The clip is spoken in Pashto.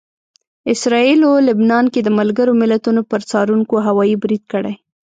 اسراییلو لبنان کې د ملګرو ملتونو پر څارونکو هوايي برید کړی